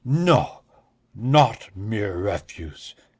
"No, not mere refuse....